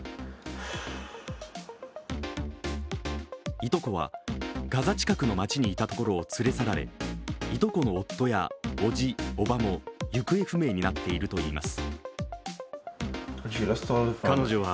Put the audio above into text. いとこはガザ近くの町にいたところを連れ去られ、いとこの夫やおじ、おばも行方不明になっているといいます。